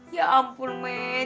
ya ampun meh